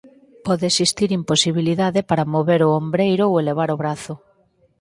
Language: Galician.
Pode existir imposibilidade para mover o ombreiro ou elevar o brazo.